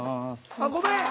あっごめん。